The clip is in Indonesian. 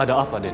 ada apa den